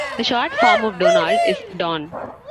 A short form of "Donald" is "Don".